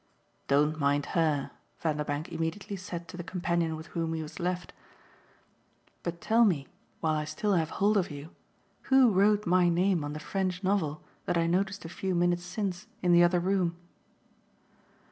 "Don't mind HER," Vanderbank immediately said to the companion with whom he was left, "but tell me, while I still have hold of you, who wrote my name on the French novel that I noticed a few minutes since in the other room?"